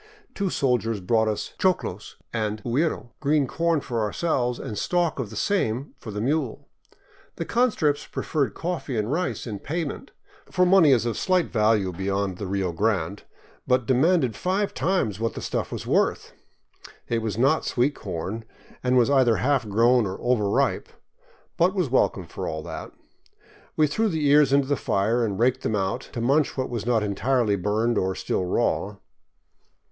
Two soldiers brought us choclos and huiro, — green corn for ourselves and stalks of the same for the mule. The conscripts preferred coffee and rice in payment, for money is of slight value beyond the Rio Grande, but demanded five times what the stuff was worth. It was not sweet corn, and was either half grown or overripe, but was welcome for all that. We threw the ears into the fire and raked them out, to munch what was not entirely burned or still raw.